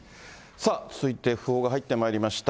さあ、続いて訃報が入ってまいりました。